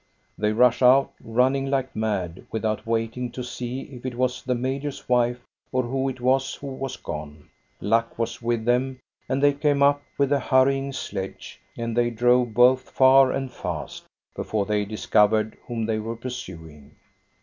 They rush out, running like mad, without waiting to see if it was the major's wife or who it was who was gone. Luck was with them, and they came up with a hurrying sledge, and they drove both far and fast, before they discovered whom they were pursuing.